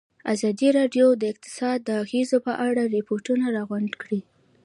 ازادي راډیو د اقتصاد د اغېزو په اړه ریپوټونه راغونډ کړي.